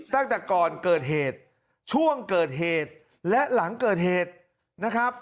ตั้งแต่ก่อนเกิดเหตุช่วงเกิดเหตุและหลังเกิดเหตุนะครับ